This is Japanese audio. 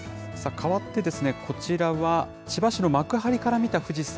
変わってこちらは千葉市の幕張から見た富士山。